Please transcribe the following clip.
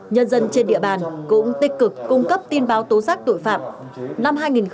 nhân dân trên địa bàn cũng tích cực cung cấp tin báo tố giác tội phạm